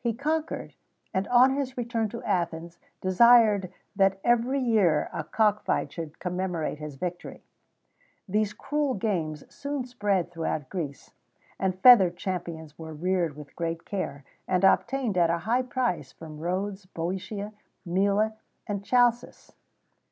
He conquered, and on his return to Athens, desired that every year a cock fight should commemorate his victory.[XVII 8] These cruel games soon spread throughout Greece, and feathered champions were reared with great care, and obtained at a high price from Rhodes, Bœotia, Mela, and Chalcis.